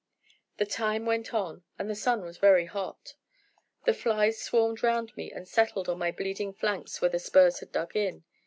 The time went on, and the sun was very hot; the flies swarmed round me and settled on my bleeding flanks where the spurs had dug in.